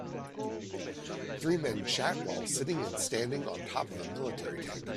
Three men chat while sitting and standing on top of a military tank